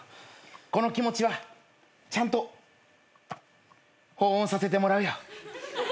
この気持ちはちゃんと保温させてもらうよ。